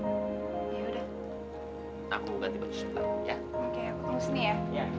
oke aku taruh sini ya